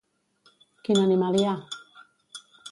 Quin animal hi ha?